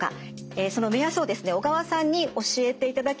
その目安をですね小川さんに教えていただきました。